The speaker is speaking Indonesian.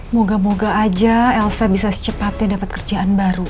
moga moga aja elsa bisa secepatnya dapat kerjaan baru